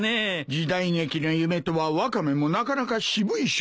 時代劇の夢とはワカメもなかなか渋い趣味をしとるなあ。